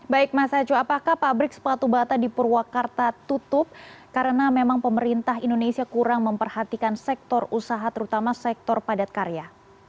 baik mas hajo apakah pabrik sepatu bata di purwakarta tutup karena memang pemerintah indonesia kurang memperhatikan sektor usaha terutama sektor padat karya